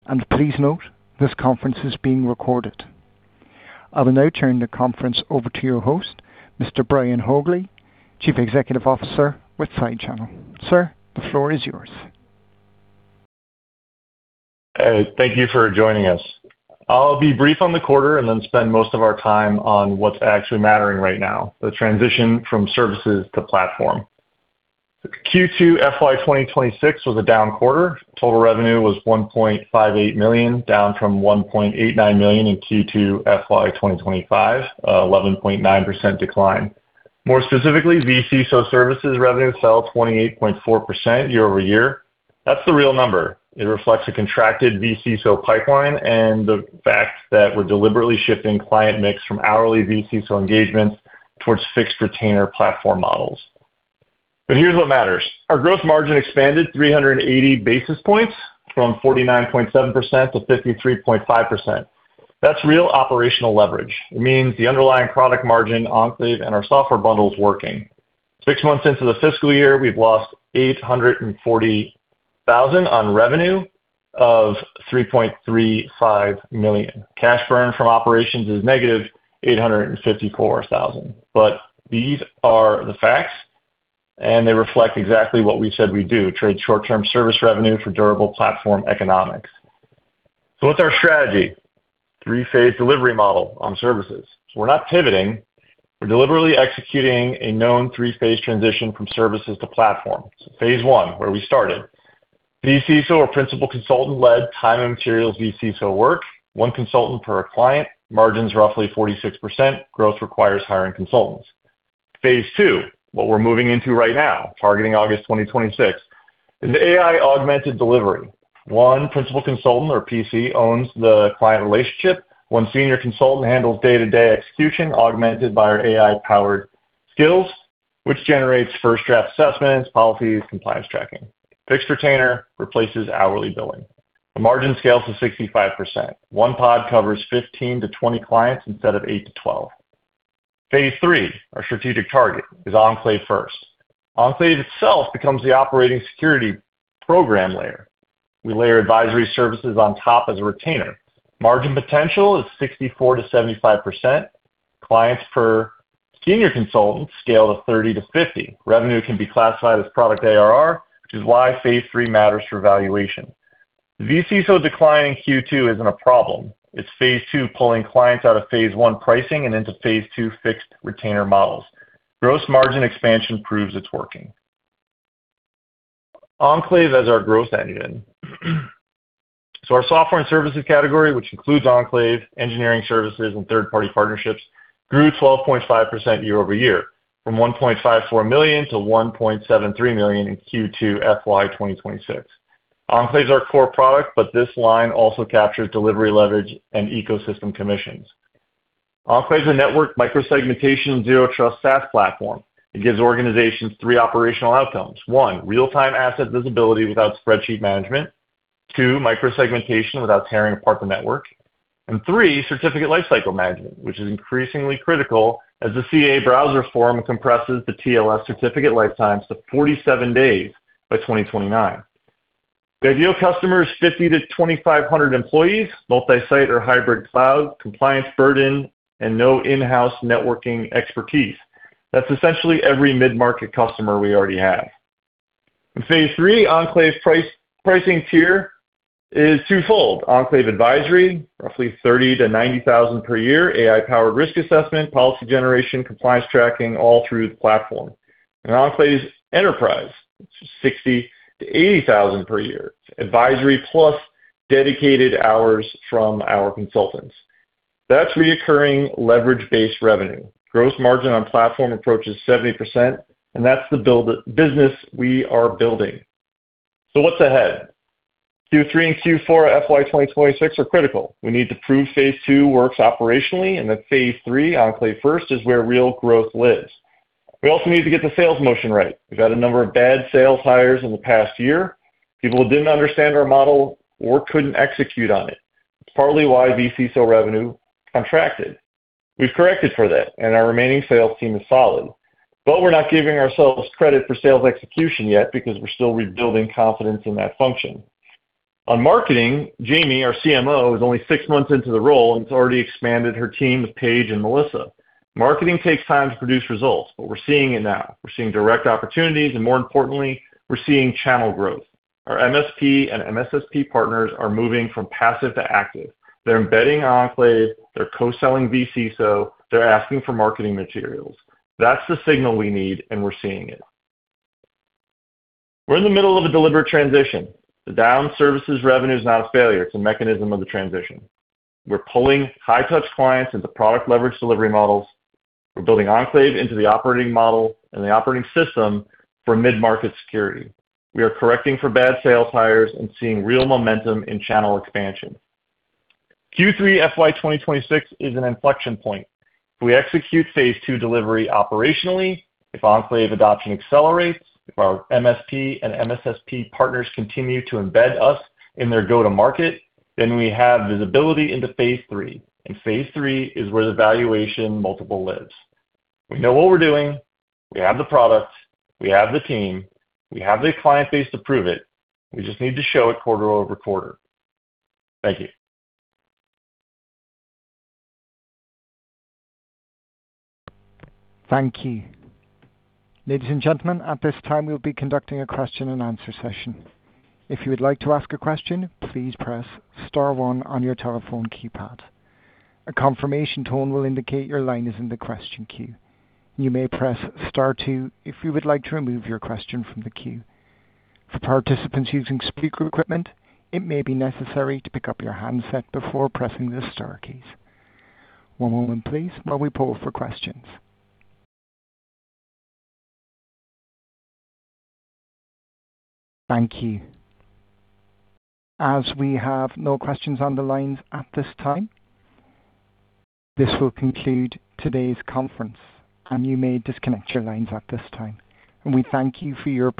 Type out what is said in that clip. Please note, this conference is being recorded. I will now turn the conference over to your host, Mr. Brian Haugli, Chief Executive Officer with SideChannel. Sir, the floor is yours. Thank you for joining us. I'll be brief on the quarter and then spend most of our time on what's actually mattering right now, the transition from services to platform. Q2 FY 2026 was a down quarter. Total revenue was $1.58 million, down from $1.89 million in Q2 FY 2025, 11.9% decline. More specifically, vCISO services revenue fell 28.4% year-over-year. That's the real number. It reflects a contracted vCISO pipeline and the fact that we're deliberately shifting client mix from hourly vCISO engagements towards fixed retainer platform models. Here's what matters. Our gross margin expanded 380 basis points from 49.7% to 53.5%. That's real operational leverage. It means the underlying product margin Enclave and our software bundle's working. Six months into the fiscal year, we've lost $840,000 on revenue of $3.35 million. Cash burn from operations is negative $854,000. These are the facts, and they reflect exactly what we said we'd do, trade short-term service revenue for durable platform economics. What's our strategy? Three-phase delivery model on services. We're not pivoting. We're deliberately executing a known three-phase transition from services to platform. Phase one, where we started, vCISO or principal consultant-led time and materials vCISO work, one consultant per a client, margin's roughly 46%, growth requires hiring consultants. Phase two, what we're moving into right now, targeting August 2026, is AI-augmented delivery. One principal consultant or PC owns the client relationship. One senior consultant handles day-to-day execution augmented by our AI-powered skills, which generates first draft assessments, policies, compliance tracking. Fixed retainer replaces hourly billing. The margin scales to 65%. One pod covers 15-20 clients instead of 8-12. Phase three, our strategic target, is Enclave First. Enclave itself becomes the operating security program layer. We layer advisory services on top as a retainer. Margin potential is 64%-75%. Clients per senior consultant scale to 30-50. Revenue can be classified as product ARR, which is why phase three matters for valuation. The vCISO decline in Q2 isn't a problem. It's phase two pulling clients out of phase one pricing and into phase two fixed retainer models. Gross margin expansion proves it's working. Enclave is our growth engine. Our software and services category, which includes Enclave, engineering services, and third-party partnerships, grew 12.5% year-over-year from $1.54 million to $1.73 million in Q2 FY 2026. Enclave's our core product, but this line also captures delivery leverage and ecosystem commissions. Enclave's a network microsegmentation zero trust SaaS platform. It gives organizations three operational outcomes. One, real-time asset visibility without spreadsheet management. Two, microsegmentation without tearing apart the network. Three, certificate lifecycle management, which is increasingly critical as the CA/Browser Forum compresses the TLS certificate lifetimes to 47 days by 2029. The ideal customer is 50 to 2,500 employees, multi-site or hybrid cloud, compliance burden, and no in-house networking expertise. That's essentially every mid-market customer we already have. In phase three, Enclave's price, pricing tier is twofold. Enclave Advisory, roughly $30,000-$90,000 per year, AI-powered risk assessment, policy generation, compliance tracking, all through the platform. Enclave Enterprise, $60,000-$80,000 per year. It's advisory plus dedicated hours from our consultants. That's reoccurring leverage-based revenue. Gross margin on platform approaches 70%, that's the business we are building. What's ahead? Q3 and Q4 FY 2026 are critical. We need to prove phase II works operationally, that phase III, Enclave First, is where real growth lives. We also need to get the sales motion right. We've had a number of bad sales hires in the past year, people who didn't understand our model or couldn't execute on it. It's partly why vCISO revenue contracted. We've corrected for that, our remaining sales team is solid. We're not giving ourselves credit for sales execution yet because we're still rebuilding confidence in that function. On marketing, Jamie, our CMO, is only six months into the role and has already expanded her team with Paige and Melissa. Marketing takes time to produce results, we're seeing it now. We're seeing direct opportunities, more importantly, we're seeing channel growth. Our MSP and MSSP partners are moving from passive to active. They're embedding Enclave, they're co-selling vCISO, they're asking for marketing materials. That's the signal we need, we're seeing it. We're in the middle of a deliberate transition. The down services revenue is not a failure, it's a mechanism of the transition. We're pulling high touch clients into product leverage delivery models. We're building Enclave into the operating model and the operating system for mid-market security. We are correcting for bad sales hires and seeing real momentum in channel expansion. Q3 FY 2026 is an inflection point. If we execute phase two delivery operationally, if Enclave adoption accelerates, if our MSP and MSSP partners continue to embed us in their go-to-market, then we have visibility into phase three, and phase three is where the valuation multiple lives. We know what we're doing. We have the product. We have the team. We have the client base to prove it. We just need to show it quarter-over-quarter. Thank you. Thank you. Ladies and gentlemen, at this time, we'll be conducting a question and answer session. If you would like to ask a question, please press star one on your telephone keypad. A confirmation tone will indicate your line is in the question queue. You may press star two if you would like to remove your question from the queue. For participants using speaker equipment, it may be necessary to pick up your handset before pressing the star keys. One moment, please, while we poll for questions. Thank you. As we have no questions on the lines at this time, this will conclude today's conference, and you may disconnect your lines at this time. And we thank you for your pa-